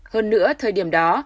hơn nữa thời điểm đó